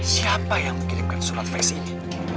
siapa yang mengirimkan surat face ini